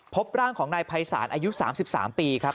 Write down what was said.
พบร่างของนายภัยศาลอายุ๓๓ปีครับ